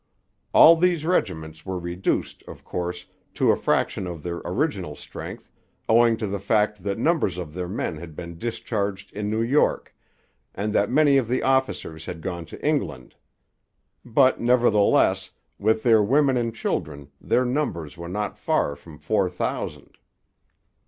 All these regiments were reduced, of course, to a fraction of their original strength, owing to the fact that numbers of their men had been discharged in New York, and that many of the officers had gone to England. But nevertheless, with their women and children, their numbers were not far from four thousand.